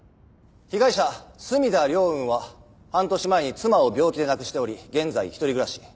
被害者墨田凌雲は半年前に妻を病気で亡くしており現在一人暮らし。